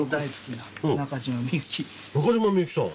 中島みゆきさん。